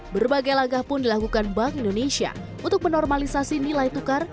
berbagai langkah pun dilakukan bank indonesia untuk menormalisasi nilai tukar